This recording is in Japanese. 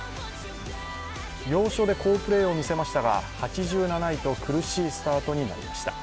要所で好プレーを見せましたが、８７位と苦しいスタートとなりました。